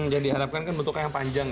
jadi harapkan kan bentuknya yang panjang ya